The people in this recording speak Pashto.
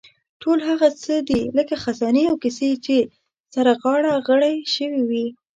ټول هغه څه دي لکه خزانې او کیسې چې سره غاړه غړۍ شوې وي.